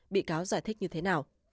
bị cáo giải thích như thế nào